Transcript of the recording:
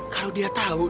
kalau dia tau